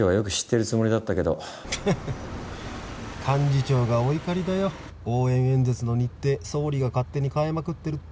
幹事長がお怒りだよ応援演説の日程総理が勝手に変えまくってるって。